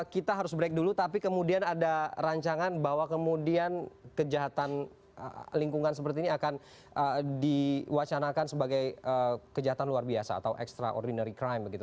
kita harus break dulu tapi kemudian ada rancangan bahwa kemudian kejahatan lingkungan seperti ini akan diwacanakan sebagai kejahatan luar biasa atau extraordinary crime begitu